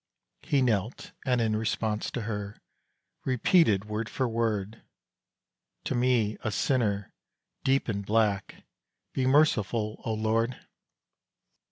He knelt, and in response to her, Repeated word for word "_To me a sinner deep and black Be merciful, O Lord!